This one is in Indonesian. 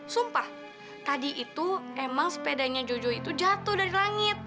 sumpah tadi itu emang sepedanya jojo itu jatuh dari langit